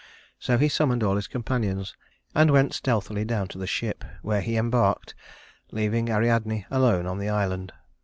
So he summoned all his companions, and went stealthily down to the ship, where he embarked, leaving Ariadne alone on the island.